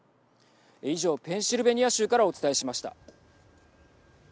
以上、ペンシルベニア州からお伝えしました。